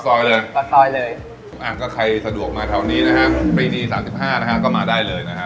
เป็นไงเลยอ้างกับใครสะดวกมาเท่านี้นะฮะปริศนี๓๕ก็มาได้เลยนะฮะ